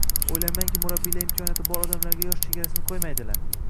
Oʻylaymanki, murabbiylar imkoniyati bor odamga yosh chegarasini qoʻymaydilar.